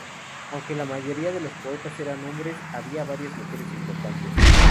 Aunque la mayoría de los poetas eran hombres, había varias mujeres importantes.